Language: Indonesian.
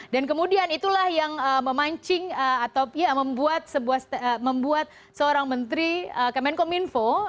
dan kemudian itulah yang memancing atau membuat seorang menteri kemenkom info